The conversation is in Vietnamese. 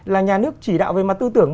là nhà nước chỉ đạo về tư tưởng